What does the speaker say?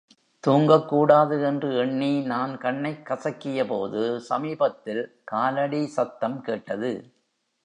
தூங்கக்கூடாது! என்று எண்ணி நான் கண்ணைக் கசக்கியபோது சமீபத்தில் காலடி சத்தம் கேட்டது.